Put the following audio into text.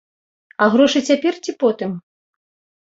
А грошы цяпер ці потым?